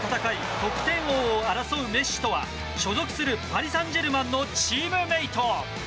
得点王を争うメッシとは所属するパリ・サンジェルマンのチームメート。